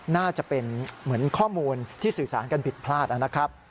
น่าจะเป็นเหมือนข้อมูลที่สื่อสารกันผิดพลาดนะครับ